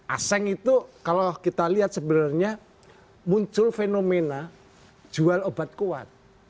aseng itu kalau kita lihat sebenarnya muncul fenomena jual obat kuat